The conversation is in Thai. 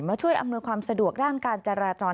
ช่วยอำนวยความสะดวกด้านการจราจร